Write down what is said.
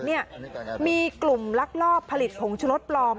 มีกลุ่มลักลอบผลิตผงชะลดปลอม